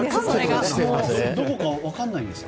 どこか分からないんですか？